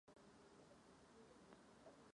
Dvakrát byla také vítězem Československého poháru.